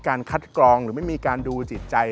การคัดกรองมั้ยมีการดูจิตใจ